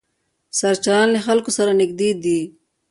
سرچران له خلکو سره نږدې دي.